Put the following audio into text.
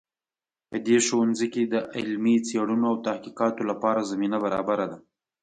په دې ښوونځي کې د علمي څیړنو او تحقیقاتو لپاره زمینه برابره ده